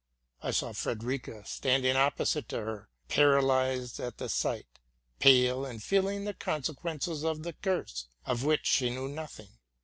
I saw Frederica standing opposite to her, paralyzed at the sight, pale, and feeling the consequences of the curse, of which she knew nothing.